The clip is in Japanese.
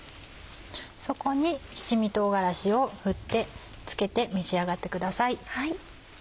そこに七味唐辛子を振って付けて召し上がってください。